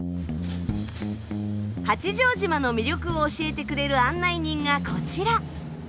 八丈島の魅力を教えてくれる案内人がこちら。